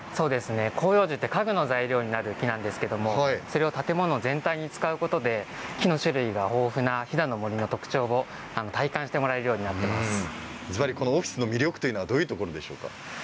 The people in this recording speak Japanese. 広葉樹は家具の材料になる木なんですがそれを建物全体に使うことで木の種類が豊富な飛騨の森の特徴を、体感してもらえるようにずばりオフィスの魅力はどういうところでしょうか。